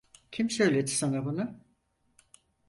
Kim söyledi sana bunu?